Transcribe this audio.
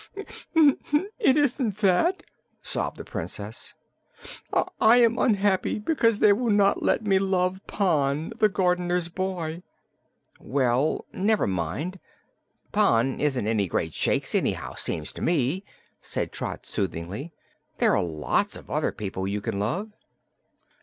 "It isn't that," sobbed the Princess. "I am unhappy because they will not let me love Pon, the gardener's boy!" "Well, never mind; Pon isn't any great shakes, anyhow, seems to me," said Trot soothingly. "There are lots of other people you can love."